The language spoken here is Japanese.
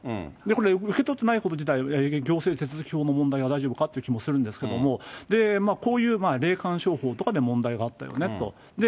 これ、受け取ってないこと自体、行政手続き上の問題は大丈夫かという気もするんですけれども、こういう霊感商法とかで問題があったよねと。